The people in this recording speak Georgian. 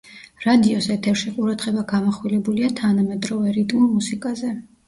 რადიოს ეთერში ყურადღება გამახვილებულია თანამედროვე, რიტმულ მუსიკაზე.